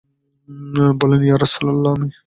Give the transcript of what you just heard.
বললেন, ইয়া রাসুলুল্লাহ আমি।